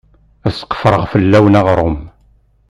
Ad sqefreɣ fell-awen aɣrum.